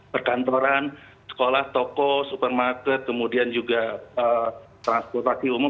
perkantoran sekolah toko supermarket kemudian juga transportasi umum